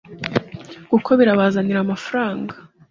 kuko birabazanira amafaranga